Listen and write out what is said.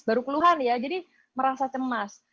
baru keluhan ya jadi merasa cemas